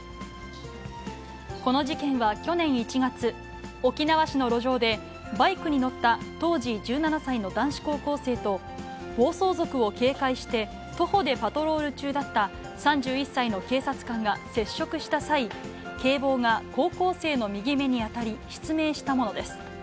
この事件は、去年１月、沖縄市の路上でバイクに乗った当時１７歳の男子高校生と、暴走族を警戒して徒歩でパトロール中だった３１歳の警察官が接触した際、警棒が高校生の右目に当たり、失明したものです。